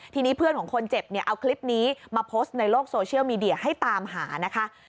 ทีนี้เพื่อนของคนเจ็บเนี่ยเอาคลิปนี้มาโพสต์ในโลกโซเชียลมีเดียให้ตามหานะคะ